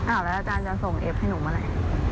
อ้าวแล้วอาจารย์จะส่งเอฟให้หนูมาไหน